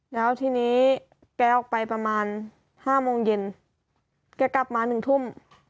แล้วทีนี้แกออกไปประมาณ๕โมงเย็นแกกลับมา๑ทุ่ม